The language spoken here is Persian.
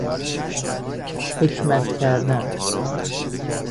حکمت کردن